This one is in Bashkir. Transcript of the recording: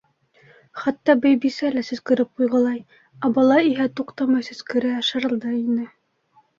Хатта Байбисә лә сөскөрөп ҡуйғылай, ә бала иһә туҡтамай сөскөрә, шарылдай ине.